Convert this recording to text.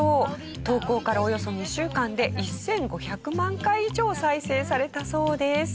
投稿からおよそ２週間で１５００万回以上再生されたそうです。